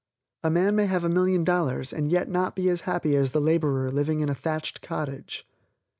A man may have a million dollars, and yet not be as happy as the laborer living in a thatched cottage.